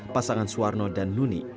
pasangan suwarno dan nuni